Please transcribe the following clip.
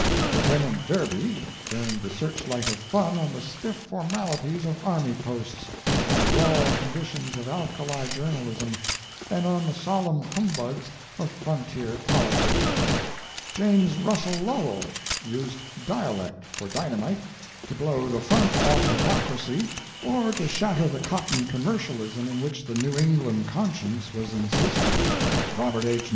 Lieut. Derby turned the searchlight of fun on the stiff formalities of army posts on the raw conditions of alkali journalism, and on the solemn humbugs of frontier politics. James Russell Lowell used dialect for dynamite to blow the front off hypocrisy or to shatter the cotton commercialism in which the New England conscience was encysted. Robert H.